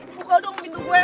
buka dong pintu gue